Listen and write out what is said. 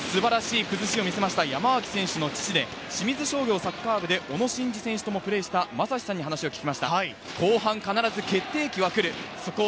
先ほど素晴らしい崩しを見せました山脇選手の父で清水商業サッカー部で小野伸二選手ともプレーした、まさしさんに話を聞きました。